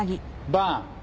バン！